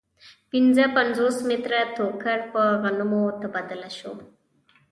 پنځه پنځوس متره ټوکر په غنمو مبادله شو